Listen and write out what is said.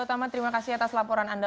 utama terima kasih atas laporan anda